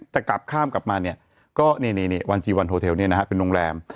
แต่กลับข้ามกลับมาเนี่ยก็เนี่ยวันจีวันโทเทลเนี่ยนะฮะเป็นโรงแรม